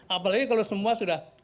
apalagi kalau semua sudah